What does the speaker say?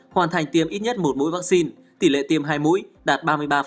hoàn thành tiêm ít nhất một mũi vaccine tỷ lệ tiêm hai mũi đạt ba mươi ba